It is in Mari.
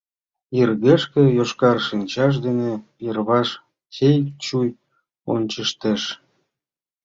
Йыргешке йошкар шинчаж дене йырваш чый-чуй ончыштеш.